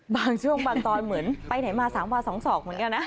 บางช่วงบางตอนเหมือนไปไหนมา๓วา๒ศอกเหมือนกันนะ